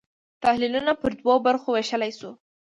تحلیلونه پر دوو برخو وېشلای شو.